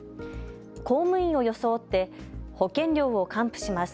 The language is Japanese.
公務員を装って保険料を還付します。